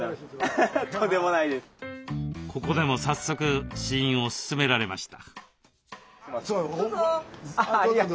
ここでも早速試飲を勧められました。